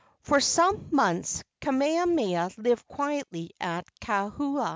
For some months Kamehameha lived quietly at Kauhola.